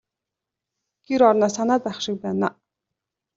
Гэр орноо санаад байх шиг байна.